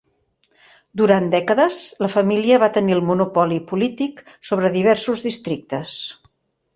Durant dècades, la família va tenir el monopoli polític sobre diversos districtes.